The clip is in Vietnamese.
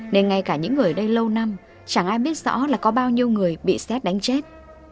nên ngay cả những người ở đây lâu năm chẳng ai biết rõ là có bao nhiêu người bị xét đánh chết